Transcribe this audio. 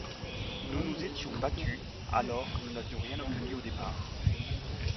Nous nous étions battus alors, car nous n’avions rien obtenu au départ.